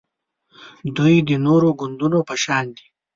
دوی د نورو ګوندونو په شان دي